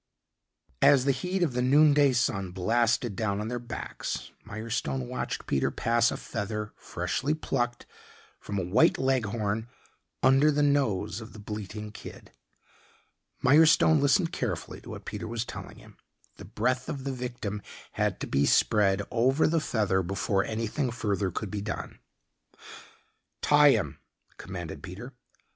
As the heat of the noon day sun blasted down on their backs, Mirestone watched Peter pass a feather, freshly plucked from a white Leghorn, under the nose of the bleating kid. Mirestone listened carefully to what Peter was telling him. The breath of the victim had to be spread over the feather before anything further could be done. "Tie him," commanded Peter.